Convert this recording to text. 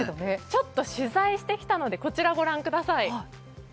ちょっと取材してきたのでご覧ください。